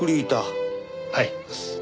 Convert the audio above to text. はい。